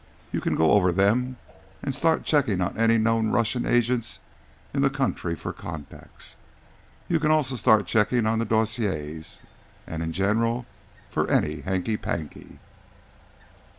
You can go over them, and start checking on any known Russian agents in the country for contacts. You can also start checking on the dossiers, and in general for any hanky panky."